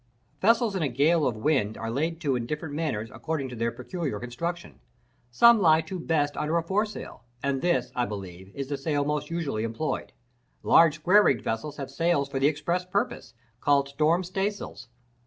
Vessels in a gale of wind are laid to in different manners, according to their peculiar construction. Some lie to best under a foresail, and this, I believe, is the sail most usually employed. Large square rigged vessels have sails for the express purpose, called storm staysails.